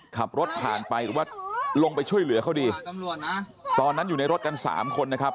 ขับรถผ่านไปหรือว่าลงไปช่วยเหลือเขาดีตอนนั้นอยู่ในรถกันสามคนนะครับ